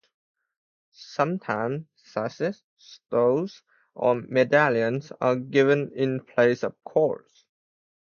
Sometimes sashes, stoles, or medallions are given in place of cords.